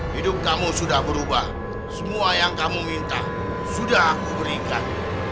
hidup kamu sudah berubah semua yang kamu minta sudah aku berikan